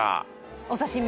お刺身？